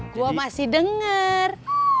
gua masih denger